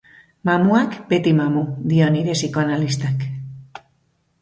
Mamuak beti mamu, dio nire psikoanalistak.